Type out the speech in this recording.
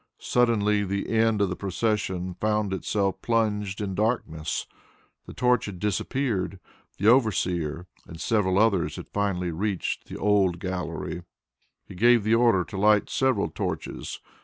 Suddenly the end of the procession found itself plunged in darkness the torch had disappeared. The overseer and several others had finally reached the old gallery. He gave the order to light several torches.